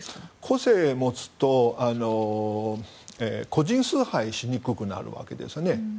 個性を持つと個人崇拝しにくくなるわけです。